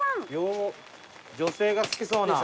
女性が好きそうな。